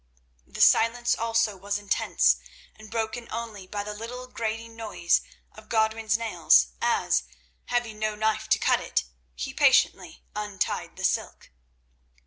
The silence also was intense, and broken only by the little grating noise of Godwin's nails as, having no knife to cut it, he patiently untied the silk.